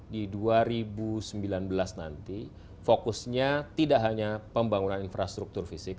di dua ribu sembilan belas nanti fokusnya tidak hanya pembangunan infrastruktur fisik